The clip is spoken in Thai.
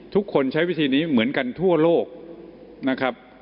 ทุกคนใช้วิธีนี้เหมือนกันทั่วโลกนะครับ